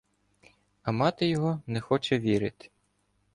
— А мати його не хоче вірити.